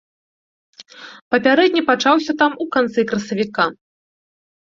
Папярэдні пачаўся там у канцы красавіка.